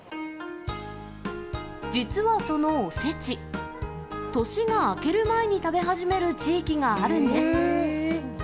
実はそのおせち、年が明ける前に食べ始める地域があるんです。